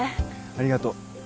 ありがとう。